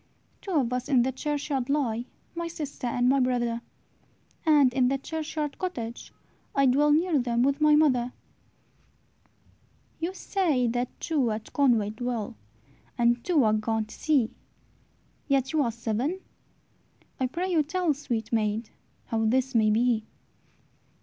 "Two of us in the churchyard lie, My sister and my brother; And in the churchyard cottage, I Dwell near them with my mother." "You say that two at Conway dwell, And two are gone to sea, Yet ye are seven! I pray you tell, Sweet maid, how this may be."